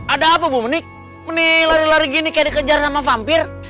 ada apa bu menik nih lari lari gini kayak dikejar sama vampir